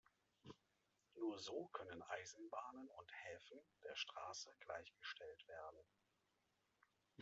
Nur so können Eisenbahnen und Häfen der Straße gleichgestellt werden.